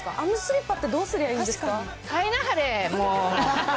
あのスリッパって、どうすりゃいいんですか。